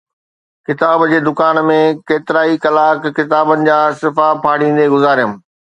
ڪتاب جي دڪان ۾ ڪيترائي ڪلاڪ ڪتابن جا صفحا ڦاڙيندي گذاريم